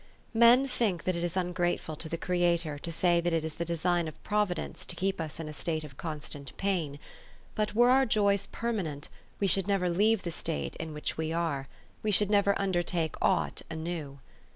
Men think that it is ungrateful to the Creator to say that it is the design of Providence to keep us in a state of constant pain ; but ... were our joys permanent we should never leave the state in which we are ; we should never undertake aught new.